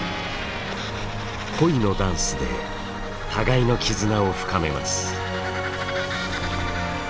恋のダンスで互いの絆を深めます。